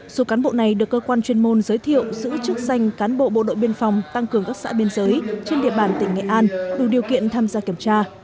số cán bộ này được cơ quan chuyên môn giới thiệu giữ chức danh cán bộ bộ đội biên phòng tăng cường các xã biên giới trên địa bàn tỉnh nghệ an đủ điều kiện tham gia kiểm tra